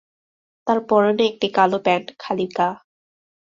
তার পরনে একটি কালো প্যান্ট, খালি গা।